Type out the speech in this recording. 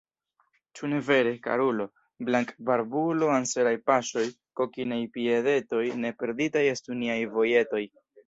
Ĉu ne vere, karulo, blankbarbulo, anseraj paŝoj, kokinaj piedetoj, ne perditaj estu niaj vojetoj!